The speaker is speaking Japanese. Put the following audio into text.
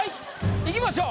いきましょう。